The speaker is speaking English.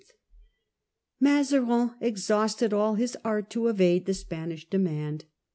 Mazarin exhausted all his art to evade the Spanish demand.